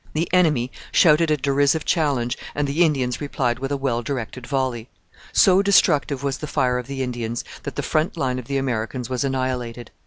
The enemy shouted a derisive challenge, and the Indians replied with a well directed volley. So destructive was the fire of the Indians that the front line of the Americans was annihilated.